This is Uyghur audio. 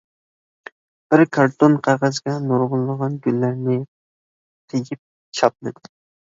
بىر كارتون قەغەزگە نۇرغۇنلىغان گۈللەرنى قىيىپ چاپلىدى.